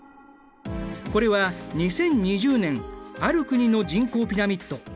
これは２０２０年ある国の人口ピラミッド。